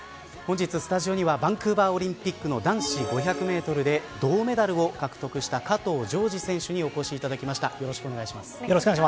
本日スタジオにはバンクーバーオリンピックの男子５００メートルで銅メダルを獲得した加藤条治選手にお越しいただきました。